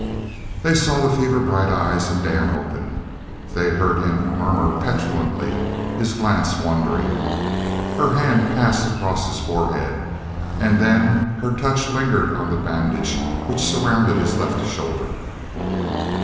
They saw the fever bright eyes of Dan open. They heard him murmur petulantly, his glance wandering. Her hand passed across his forehead, and then her touch lingered on the bandage which surrounded his left shoulder.